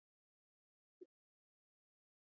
د پښتو ژبې د پرمختګ لپاره کار وکړئ.